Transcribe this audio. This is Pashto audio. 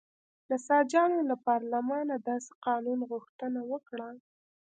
نساجانو له پارلمانه داسې قانون غوښتنه وکړه.